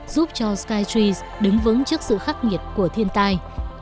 giúp cho skytrea đứng vững trước sự khắc nghiệt của thiên tai